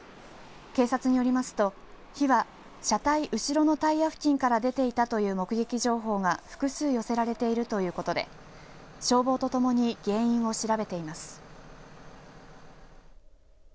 警察によりますと火は車体後ろのタイヤ付近から出ていたという目撃情報が複数寄せられているということで消防とともに原因を調べています。